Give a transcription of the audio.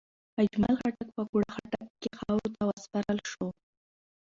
اجمل خټک په اکوړه خټک کې خاورو ته وسپارل شو.